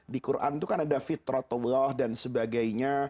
di quran itu kan ada fitratullah dan sebagainya